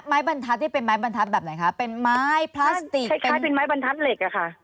ไม้บรรทัศน์นี่เป็นไม้บรรทัศน์แบบไหนคะเป็นไม้พลาสติกคล้ายเป็นไม้บรรทัดเหล็กอะค่ะ